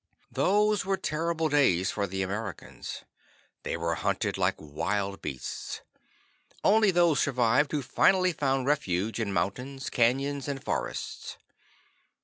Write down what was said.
Those were terrible days for the Americans. They were hunted like wild beasts. Only those survived who finally found refuge in mountains, canyons and forests.